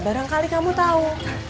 barangkali kamu tahu